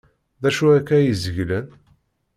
D acu akka ay zeglen?